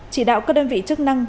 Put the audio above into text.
chỉ đạo các đơn vị chức năng